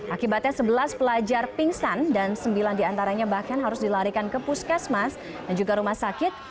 akibatnya sebelas pelajar pingsan dan sembilan diantaranya bahkan harus dilarikan ke puskesmas dan juga rumah sakit